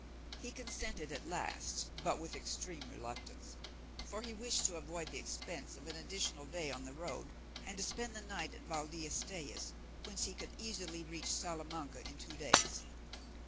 He consented at last, but with extreme reluctance, for he wished to avoid the expense of an additional day on the road, and to spend the night at Valdiastellas, whence he could easily reach Salamanca in two days.